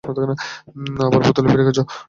আবার বোতলে ফিরে গেছ?